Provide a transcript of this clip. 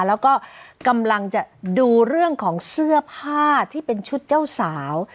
แล้วก็กำลังจะดูเรื่องของเสื้อผ้าที่เป็นชุดเจ้าสาว